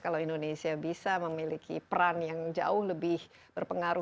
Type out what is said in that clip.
kalau indonesia bisa memiliki peran yang jauh lebih berpengaruh